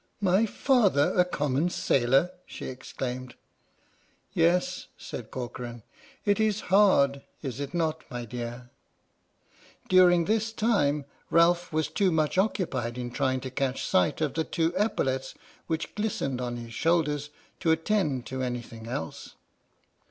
" My father a common sailor! " she exclaimed. "Yes," said Corcoran, "it is hard, is it not, my dear? " During this time Ralph was too much occupied 122 H.M.S. "PINAFORE" in trying to catch sight of the two epaulettes which glistened on his shoulders, to attend to anything else.